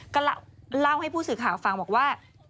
ก็เล่าให้ผู้สื่อข่าวฟังบอกว่า